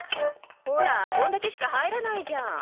ほらこんだけしか入らないじゃん。